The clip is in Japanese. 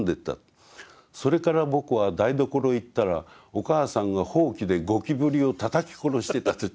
それから僕は台所へ行ったらお母さんがほうきでゴキブリをたたき殺してた」と。